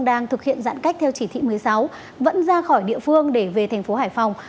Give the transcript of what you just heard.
các địa phương đang thực hiện giãn cách theo chỉ thị một mươi sáu vẫn ra khỏi địa phương để về thành phố hải phòng